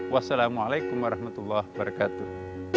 wassalamualaikum warahmatullah wabarakatuh